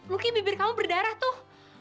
mungkin bibir kamu berdarah tuh